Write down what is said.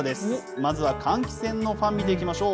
まずは換気扇のファン、見ていきましょう。